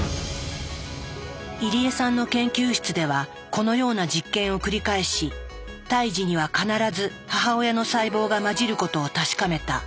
入江さんの研究室ではこのような実験を繰り返し胎児には必ず母親の細胞が混じることを確かめた。